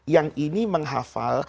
yang ini menghafal